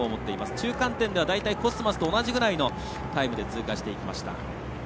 中間点では大体、コスマスと同じぐらいのタイムで通過していきました。